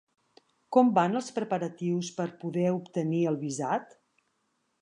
Com van els preparatius per poder obtenir el visat?